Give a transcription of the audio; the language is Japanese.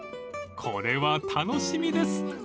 ［これは楽しみです］